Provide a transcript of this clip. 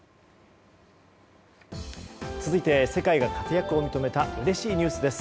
続いて世界が活躍を認めたうれしいニュースです。